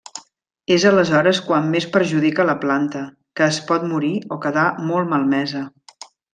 És aleshores quan més perjudica la planta, que es pot morir o quedar molt malmesa.